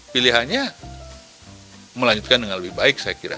pilihannya melanjutkan dengan lebih baik saya kira